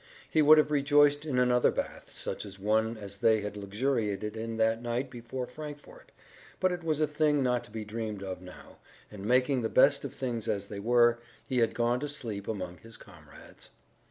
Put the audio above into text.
He would have rejoiced in another bath, such as one as they had luxuriated in that night before Frankfort, but it was a thing not be dreamed of now, and making the best of things as they were, he had gone to sleep among his comrades.